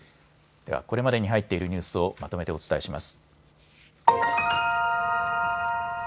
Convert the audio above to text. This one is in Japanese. ではこれまでに入っているニュースをまとめてお伝えします。